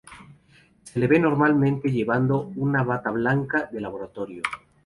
Se le ve normalmente llevando una bata blanca de laboratorio.